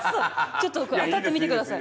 ちょっと当たってみてください。